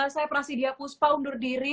saya prasidia kuspa undur diri